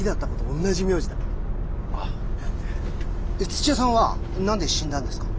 土屋さんは何で死んだんですか？